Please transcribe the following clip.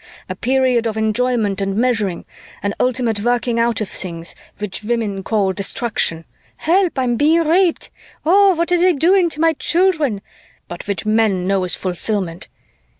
a period of enjoyment and measuring, an ultimate working out of things, which women call destruction 'Help, I'm being raped!' 'Oh, what are they doing to my children?' but which men know as fulfillment.